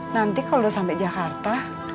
nanti kalau sampai jakarta